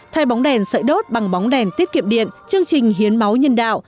thay bóng đèn sợi đốt bằng bóng đèn tiết kiệm điện chương trình hiến máu nhân đạo